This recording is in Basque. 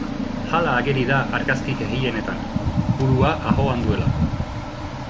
Hala ageri da argazki gehienetan, purua ahoan duela.